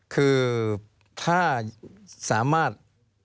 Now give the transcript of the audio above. คือถ้าสามารถ